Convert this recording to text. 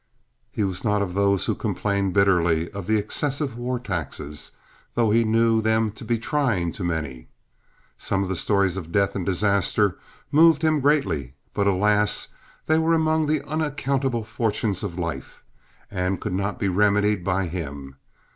He was not of those who complained bitterly of the excessive war taxes, though he knew them to be trying to many. Some of the stories of death and disaster moved him greatly; but, alas, they were among the unaccountable fortunes of life, and could not be remedied by him.